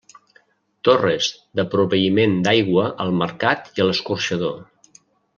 Torres de proveïment d'aigua al mercat i a l'escorxador.